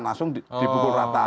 langsung dibukul rata